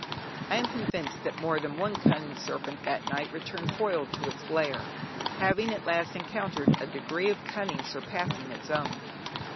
I am convinced that more than one cunning serpent that night returned foiled to its lair, having at last encountered a degree of cunning surpassing its own.